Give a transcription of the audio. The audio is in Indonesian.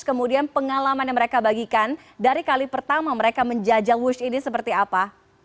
kemudian pengalaman yang mereka bagikan dari kali pertama mereka menjajal wush ini seperti apa